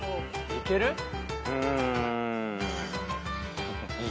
いけうん。